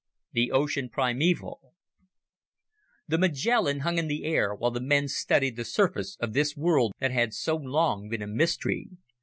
The Ocean Primeval The Magellan hung in the air while the men studied the surface of this world that had so long been a mystery.